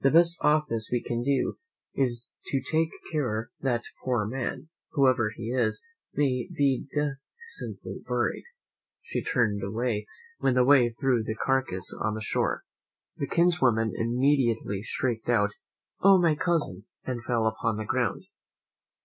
The best office we can do is to take care that the poor man, whoever he is, may be decently buried." She turned away, when the wave threw the carcass on the shore. The kinswoman immediately shrieked out, "Oh, my cousin!" and fell upon the ground.